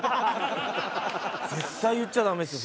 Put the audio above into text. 絶対言っちゃダメですよ。